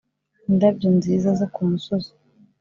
indabyo nziza zo kumusozi,